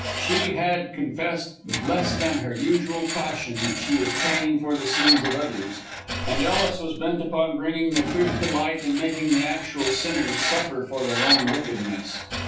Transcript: She had confessed with less than her usual caution that she was paying for the sins of others, and Ellis was bent upon bringing the truth to light and making the actual sinners suffer for their own wickedness.